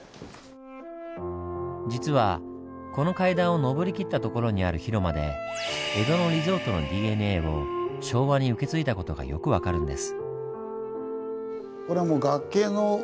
実はこの階段を上りきった所にある広間で江戸のリゾートのＤＮＡを昭和に受け継いだ事がよく分かるんです。